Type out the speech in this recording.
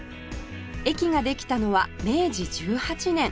駅ができたのは明治１８年